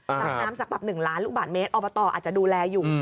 อ่างเก็บน้ำสำหรับ๑ล้านลูกบาทเมตรออบตออาจจะดูแลอยู่